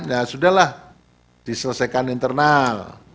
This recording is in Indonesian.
nah sudah lah diselesaikan internal